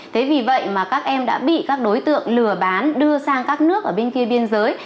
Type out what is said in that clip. thế vì vậy mà các em đã bị các đối tượng lừa bán đưa sang các nước ở bên kia biên giới